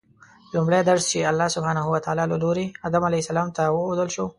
لومړی درس چې الله سبحانه وتعالی له لوري آدم علیه السلام ته وښودل شو